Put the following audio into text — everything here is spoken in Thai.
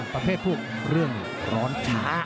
ประเภทพวกเรื่องร้อนช้า